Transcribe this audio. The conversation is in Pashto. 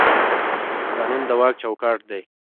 قانون د واک چوکاټ دی